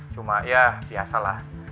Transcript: cuma ya biasa lah